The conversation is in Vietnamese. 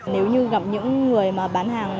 nếu như gặp những người mà bán hàng